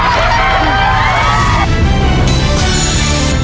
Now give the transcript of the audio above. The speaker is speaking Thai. ร่วมพระเจ้า